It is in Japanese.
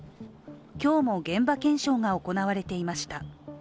今日も現場検証が行われていました。